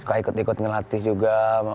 suka ikut ikut ngelatih juga